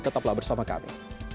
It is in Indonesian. tetaplah bersama kami